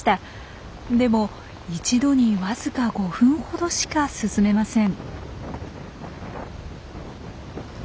でも一度にわずか５分ほどしか進めません。